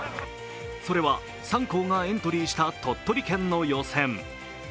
それは、３校がエントリーした鳥取県の予選。